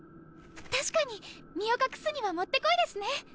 確かに身を隠すには持って来いですね。